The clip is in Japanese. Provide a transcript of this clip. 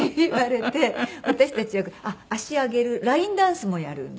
私たちよく足上げるラインダンスもやるんです。